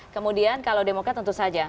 kemudian kalau demokrat tentu saja